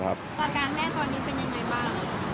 อาการแม่ตอนนี้เป็นยังไงบ้าง